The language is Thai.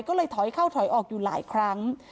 ก็เลยถอยเข้าถอยออกอยู่หลายครั้ง